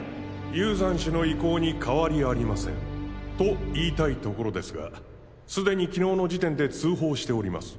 雄山氏の意向に変わりありませんと言いたいところですがすでに昨日の時点で通報しております。